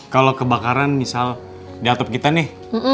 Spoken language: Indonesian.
kalau kebakaran misal di atap kita nih